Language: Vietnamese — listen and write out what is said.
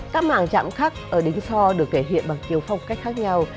các mảng chạm khắc ở đình so được kể hiện bằng kiểu phong cách khác nhau